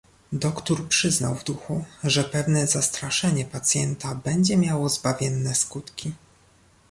"Doktór przyznał w duchu, że pewne zastraszenie pacjenta będzie miało zbawienne skutki."